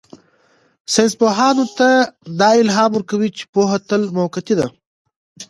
ساینسپوهانو ته دا الهام ورکوي چې پوهه تل موقتي ده.